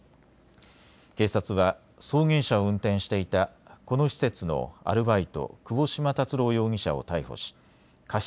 警察は送迎車を運転していたこの施設のアルバイト、窪島達郎容疑者を逮捕し過失